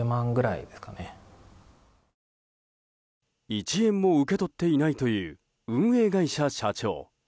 １円も受け取っていないという運営会社社長。